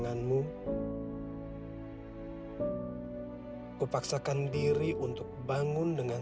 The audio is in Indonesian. kini terasa tidak istimewa